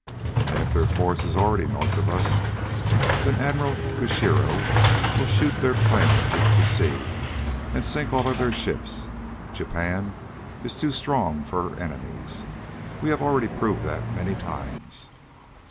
And if their force is already north of us, then Admiral Kusiro will shoot their planes into the sea, and sink all of their ships. Japan is too strong for her enemies. We have already proved that many times."